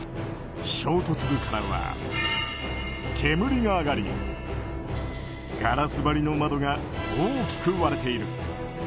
衝突部からは煙が上がりガラス張りの窓が大きく割れている。